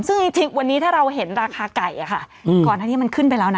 ซึ่งอีทิกวันนี้ถ้าเราเห็นราคาไก่อ่ะค่ะก่อนที่นี่มันขึ้นไปแล้วนะ